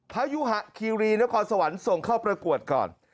พยุหะคีรีนครสวรรค์ส่งเข้าประกวดก่อน